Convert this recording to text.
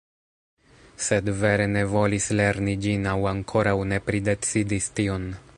Sed vere ne volis lerni ĝin aŭ ankoraŭ ne pridecidis tion